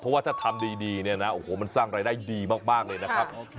เพราะว่าถ้าทำดีเนี่ยนะโอ้โหมันสร้างรายได้ดีมากเลยนะครับ